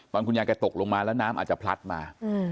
คุณยายแกตกลงมาแล้วน้ำอาจจะพลัดมา